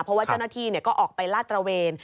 เพราะว่าเจ้าหน้าที่ก็ออกไปลาดตระเวน